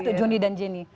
itu joni dan jenny